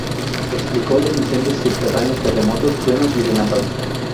Explicó los incendios subterráneos, terremotos, truenos y relámpagos.